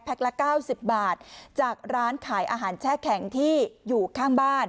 ละ๙๐บาทจากร้านขายอาหารแช่แข็งที่อยู่ข้างบ้าน